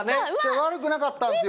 悪くなかったんですよ。